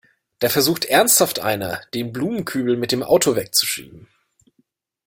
Da versucht ernsthaft einer, den Blumenkübel mit dem Auto wegzuschieben!